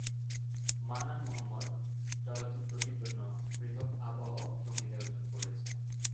মান্নান মোহাম্মদ চলচ্চিত্রটির জন্য পৃথক আবহ সঙ্গীতায়োজন করেছেন।